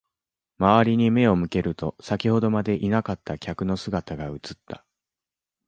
周りに目を向けると、先ほどまでいなかった客の姿が映った。